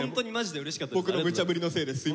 僕のむちゃぶりのせいです。